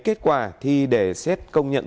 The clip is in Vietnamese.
kết quả thi để xét công nhận